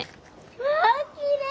わあきれい！